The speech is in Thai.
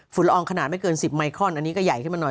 ละอองขนาดไม่เกิน๑๐ไมคอนอันนี้ก็ใหญ่ขึ้นมาหน่อย